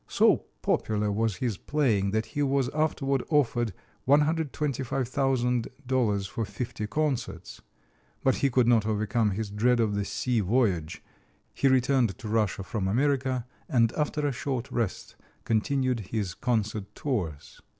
So popular was his playing that he was afterward offered $125,000 for fifty concerts; but he could not overcome his dread of the sea voyage. He returned to Russia from America, and after a short rest continued his concert tours.